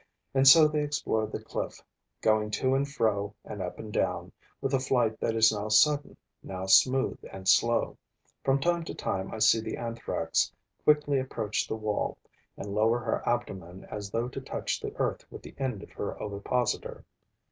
And so they explore the cliff, going to and fro and up and down, with a flight that is now sudden, now smooth and slow. From time to time, I see the Anthrax quickly approach the wall and lower her abdomen as though to touch the earth with the end of her ovipositor.